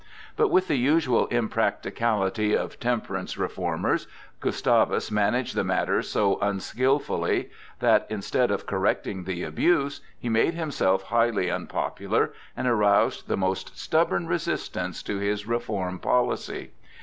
But, with the usual impracticability of temperance reformers, Gustavus managed the matter so unskilfully that, instead of correcting the abuse, he made himself highly unpopular and aroused the most stubborn resistance to his reform policy.